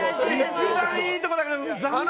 一番いいとこだから残念。